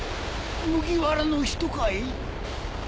麦わらの人かい！？